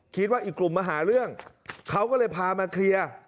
คิดว่าอีกกลุ่มมาหาเรื่องเขาก็เลยพามาเคลียร์